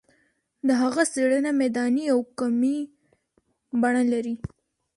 د هغه څېړنه میداني او کمي بڼه لري.